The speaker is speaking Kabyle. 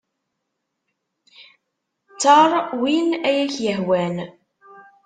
Tter win ay ak-yehwan.